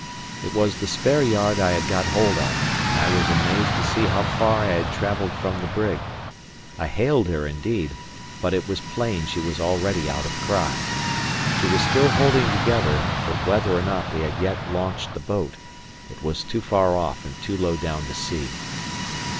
It was the spare yard I had got hold of, and I was amazed to see how far I had travelled from the brig. I hailed her, indeed; but it was plain she was already out of cry. She was still holding together; but whether or not they had yet launched the boat, I was too far off and too low down to see.